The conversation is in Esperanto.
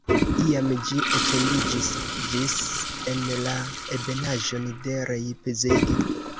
Iam ĝi etendiĝis ĝis en la ebenaĵon de Leipzig.